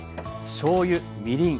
しょうゆみりん